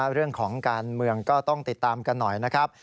เรื่องของการเมืองก็ต้องติดตามกันหน่อยนะครับ